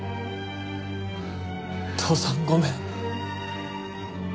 父さんごめん。